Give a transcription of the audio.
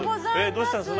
どうしたんです？